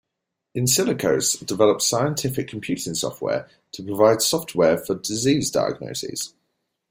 Insilicos develops scientific computing software to provide software for disease diagnoses.